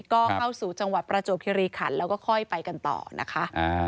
ก็เข้าสู่จังหวัดประจวบคิริขันแล้วก็ค่อยไปกันต่อนะคะ